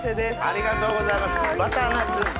ありがとうございます。